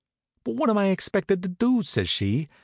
"But what am I expected to do?" says she.